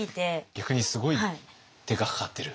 逆にすごい手がかかってる。